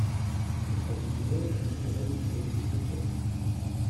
Le Pasubio est entouré de curiosités touristiques.